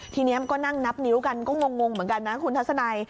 ทีนี้มันก็นั่งนับนิ้วกันก็งงเหมือนกันนะคุณทัศนัย